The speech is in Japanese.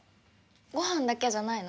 ごはんだけじゃないの？